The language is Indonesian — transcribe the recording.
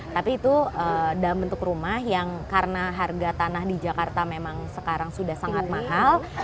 tapi itu dalam bentuk rumah yang karena harga tanah di jakarta memang sekarang sudah sangat mahal